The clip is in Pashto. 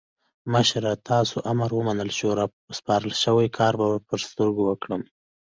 مشره تاسو امر ومنل شو؛ راسپارل شوی کار به پر سترګو وکړم.